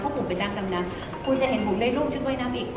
เพราะผมเป็นนักดำน้ำคุณจะเห็นผมได้ร่วมชุดว่ายน้ำอีก